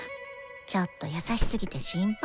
ちょっと優しすぎて心配。